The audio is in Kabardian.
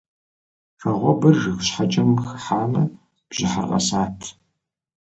Вагъуэбэр жыг щхьэкӀэм хыхьамэ бжьыхьэр къэсат.